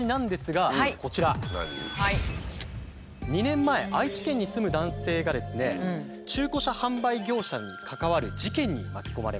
２年前愛知県に住む男性がですね中古車販売業者に関わる事件に巻き込まれました。